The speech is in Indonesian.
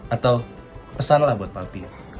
atau pesan lah buat papi